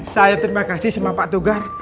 saya terima kasih sama pak tugar